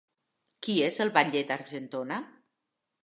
Qui és el batlle d'Argentona?